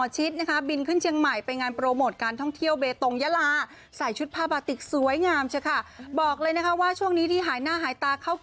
จะชื่นชอบกันนะครับ